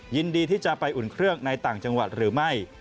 ยินดีที่จะไปอุ่นเครื่องในต่างจังหวัดหรือไม่